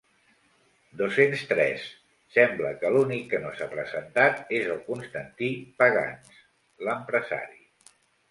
Dos-cents tres sembla que l'únic que no s'ha presentat és el Constantí Pagans, l'empresari.